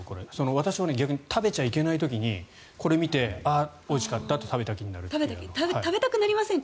私は逆に食べちゃいけない時にこれを見てああ、おいしかったって食べたくなりませんか？